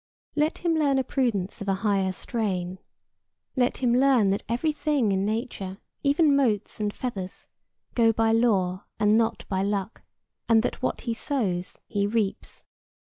Let him learn a prudence of a higher strain. Let him learn that every thing in nature, even motes and feathers, go by law and not by luck, and that what he sows he reaps.